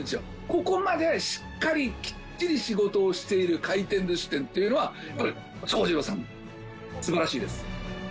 ここまでしっかりきっちり仕事をしている回転寿司店っていうのは長次郎さん素晴らしいです。